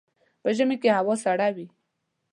په ژمي کي هوا سړه وي.